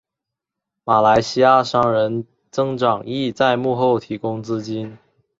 马来西亚商人曾长义在幕后提供资金。